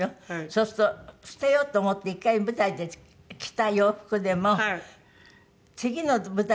そうすると捨てようと思って１回舞台で着た洋服でも次の舞台